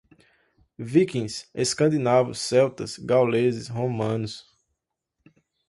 Vikings, escandinavos, celtas, gauleses, romanos